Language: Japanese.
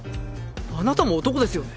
あなたも男ですよね？